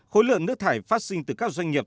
khối lượng nước thải phát sinh từ các doanh nghiệp